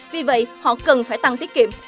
vì vậy họ cần phải tăng tiết kiệm